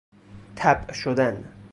طبع شدن